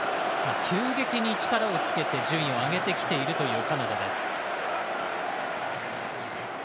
急激に力をつけて順位を上げてきているカナダです。